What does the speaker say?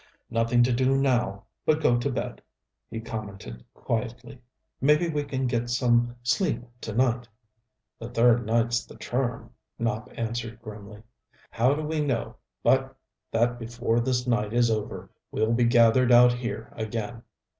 "Nothing to do now but go to bed," he commented quietly. "Maybe we can get some sleep to night." "The third night's the charm," Nopp answered grimly. "How do we know but that before this night is over we'll be gathered out here again."